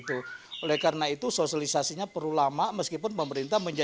oleh karena itu sosialisasinya perlu lama meskipun pemerintah menjelaskan